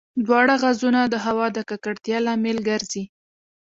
دواړه غازونه د هوا د ککړتیا لامل ګرځي.